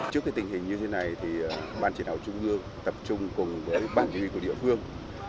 trước tình hình như thế này ban chỉ đạo trung ương tập trung cùng bàn huy của địa phương